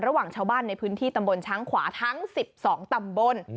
ระหว่างชาวบ้านในพื้นที่ตำบลช้างขวาทั้ง๑๒ตำบล